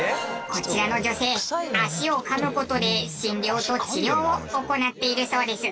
こちらの女性足をかむ事で診療と治療を行っているそうです。